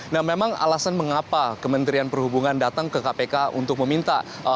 nah memang alasan mengapa kementerian perhubungan datang ke kpk untuk meminta